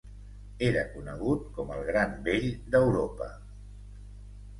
Era conegut com "El gran vell d'Europa".